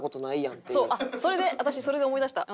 あっそれで私それで思い出した。